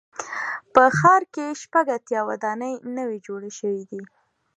په ښار کې شپږ اتیا ودانۍ نوي جوړې شوې دي.